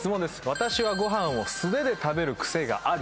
私はご飯を素手で食べるクセがある。